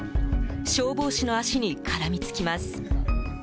消防士の足に絡みつきます。